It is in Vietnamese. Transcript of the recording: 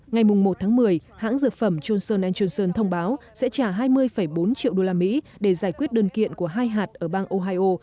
ngày một tháng một mươi hãng dược phẩm johnson johnson thông báo sẽ trả hai mươi bốn triệu usd để giải quyết đơn kiện của hai hạt ở bang ohio